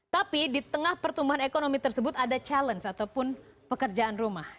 tapi di tengah pertumbuhan ekonomi tersebut ada challenge ataupun pekerjaan rumah